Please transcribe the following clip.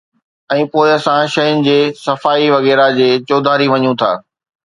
۽ پوءِ اسان شين جي صفائي وغيره جي چوڌاري وڃون ٿا